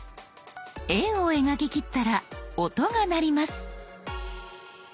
円を描ききったら音が鳴ります。